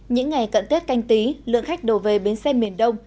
những ngày cận tết canh tí lượng khách đổ về bến xe miền đông